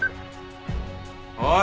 おい！